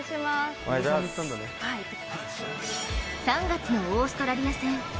３月のオーストラリア戦。